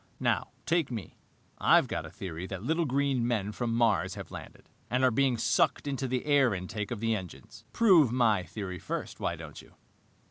Now, take me. I've got a theory that little green men from Mars have landed and are being sucked into the air intake of the engines. Prove my theory first, why don't you?"